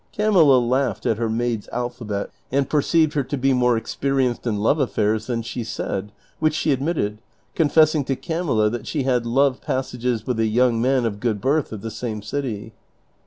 Camilla laughed at her maid's alphabet, and perceived her to be more experienced in love affairs than she said, which she admitted, confessing to Camilla that she had love passages with a young man of good birth of the same city.